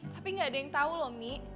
tapi gak ada yang tau loh mi